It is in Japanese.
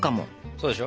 そうでしょ。